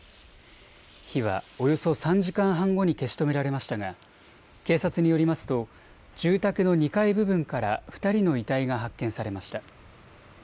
火はおよそ３時間半後に消し止められましたが警察によりますと住宅の２階部分から２人の遺体が発見されました。